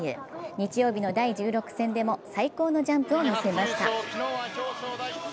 日曜日の第１６戦でも最高のジャンプを見せました。